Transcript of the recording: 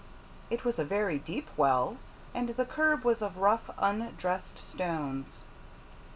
It was a very deep well, and the curb was of rough, undressed stones.